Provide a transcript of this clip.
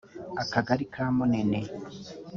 akagari ka Munini